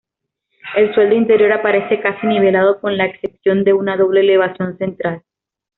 El suelo interior aparece casi nivelado, con la excepción de una doble elevación central.